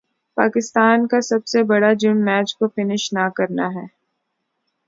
کپتان کا سب سے برا جرم میچ کو فنش نہ کرنا ہے